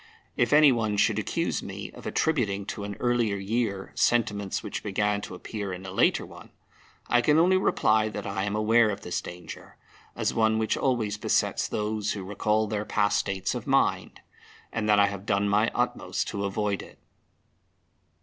If any one should accuse me of attributing to an earlier year sentiments which began to appear in a later one, I can only reply that I am aware of this danger, as one which always besets those who recall their past states of mind, and that I have done my utmost to avoid it.